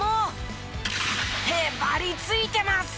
へばりついてます！